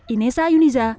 inesa yuniza jakarta